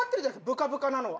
ぶかぶかなのは。